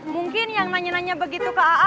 mungkin yang nanya nanya begitu ke aa